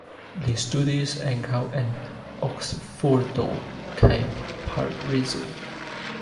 Li studis ankaŭ en Oksfordo kaj Parizo.